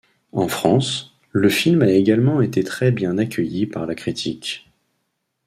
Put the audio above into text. En France, le film a également été très bien accueilli par la critique.